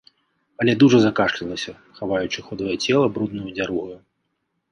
Але дужа закашлялася, хаваючы худое цела бруднаю дзяругаю.